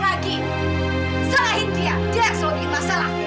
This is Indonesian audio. selain dia dia yang selalu bikin masalah